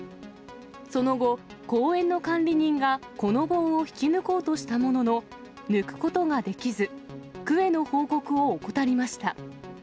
その後、公園の管理人がこの棒を引き抜こうとしたものの、抜くことができず、区への報告を怠りました。